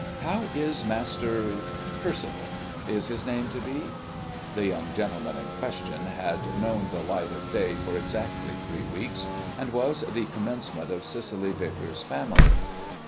How is Master Percival, is his name to be?" The young gentleman in question had known the light of day for exactly three weeks, and was the commencement of Cicely Vicars's family.